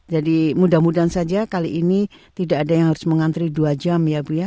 jadi mudah mudahan saja kali ini tidak ada yang harus mengantri dua jam ya bu